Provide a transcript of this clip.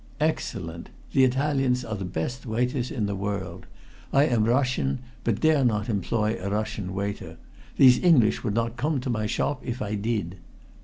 "Excellent. The Italians are the best waiters in the world. I am Russian, but dare not employ a Russian waiter. These English would not come to my shop if I did."